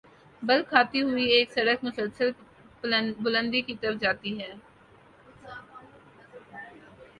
بل کھاتی ہوئی ایک سڑک مسلسل بلندی کی طرف جاتی ہے۔